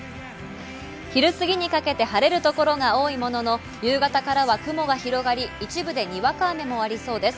昼過ぎにかけて晴れる所が多いものの、夕方からは雲が広がり一部でにわか雨もありそうです。